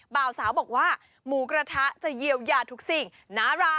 บ่าวสาวบอกว่าหมูกระทะจะเยียวยาทุกสิ่งน่ารัก